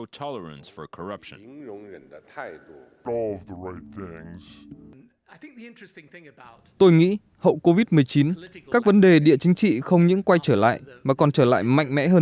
tôi nghĩ hậu covid một mươi chín các vấn đề địa chính trị không những quay trở lại mà còn trở lại mạnh mẽ hơn